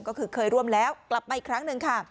ก็คือเคยร่วมแล้วกลับมาอีกครั้งหนึ่งค่ะ